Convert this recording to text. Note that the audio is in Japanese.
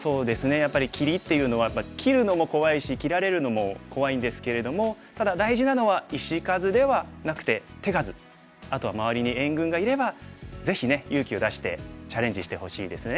やっぱり切りっていうのは切るのも怖いし切られるのも怖いんですけれどもただ大事なのはあとは周りに援軍がいればぜひね勇気を出してチャレンジしてほしいですね。